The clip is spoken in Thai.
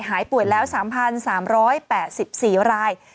หายป่วยแล้ว๓๓๘๔ราย